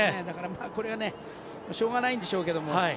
だから、これはしょうがないんでしょうけども。